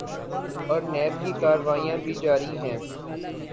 اورنیب کی کارروائیاں بھی جاری ہیں۔